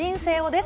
です。